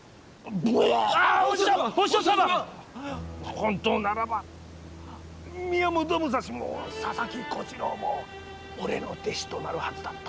本当ならば宮本武蔵も佐々木小次郎も俺の弟子となるはずだった。